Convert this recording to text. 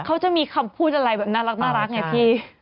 เขาจะมีคำพูดอะไรแบบน่ารักไงพี่